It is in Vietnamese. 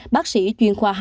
bác sĩ chuyên khoa hai